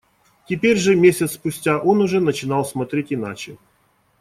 Теперь же, месяц спустя, он уже начинал смотреть иначе.